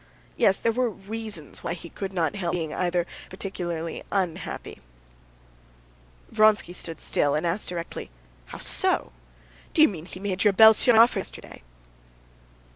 "Yes, there were reasons why he could not help being either particularly happy or particularly unhappy." Vronsky stood still and asked directly: "How so? Do you mean he made your belle sœur an offer yesterday?"